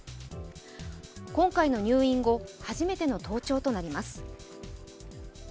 今回の入院後初めての登庁となります。